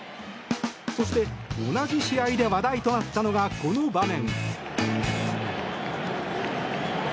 そして同じ試合で話題となったのが、この場面。